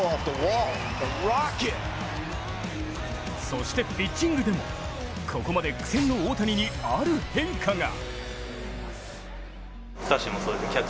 そして、ピッチングでもここまで苦戦の大谷にある変化が。